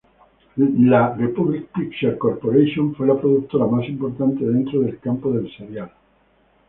La Republic Pictures Corporation fue la productora más importante dentro del campo del serial.